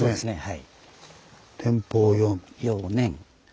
はい。